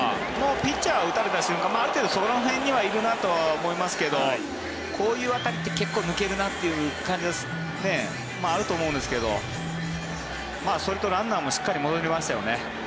ピッチャーは打たれた瞬間ある程度、その辺にいるなとは思っていますけどこの当たりは抜けるなというのがあると思うんですがそれとランナーもしっかり戻りましたよね。